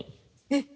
えっ！